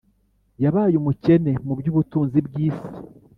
Yabaye umukene mu by’ubutunzi bw’isi